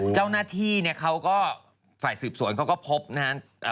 เจ้าหน้าที่เนี่ยเขาก็ฝ่ายสืบสวนเขาก็พบนะฮะ